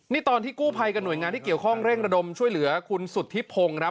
นี่ตอนที่กู้ภัยกับหน่วยงานที่เกี่ยวข้องเร่งระดมช่วยเหลือคุณสุธิพงศ์ครับ